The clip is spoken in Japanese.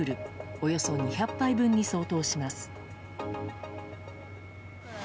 およそ２００杯分に相当します。